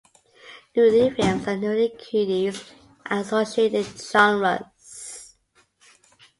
"Nudie" films and "Nudie-cuties" are associated genres.